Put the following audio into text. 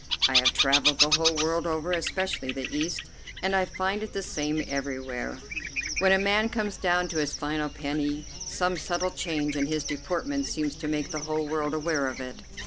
I have travelled the whole world over, especially the East, and I find it the same everywhere. When a man comes down to his final penny, some subtle change in his deportment seems to make the whole world aware of it.